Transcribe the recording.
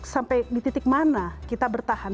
sampai di titik mana kita bertahan